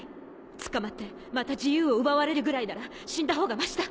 捕まってまた自由を奪われるぐらいなら死んだほうがましだ！